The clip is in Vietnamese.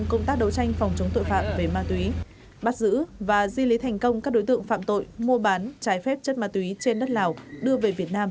ba kg thuốc viện ba kg thuốc viện